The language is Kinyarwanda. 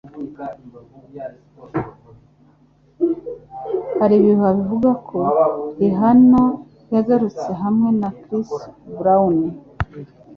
Hari ibihuha bivuga ko Rihanna yagarutse hamwe na Chris Brown.